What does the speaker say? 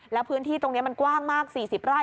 แล้วพื้นที่ตรงนี้มันกว้างมาก๔๐ไร่